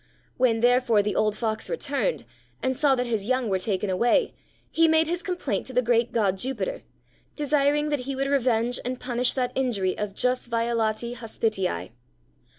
When, therefore, the old Fox returned, and saw that his young were taken away, he made his complaint to the great god Jupiter, desiring that he would revenge and punish that injury of Jus violati hospitii.